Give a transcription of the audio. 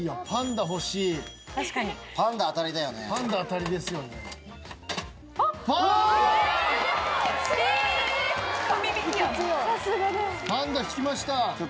パンダ引きました。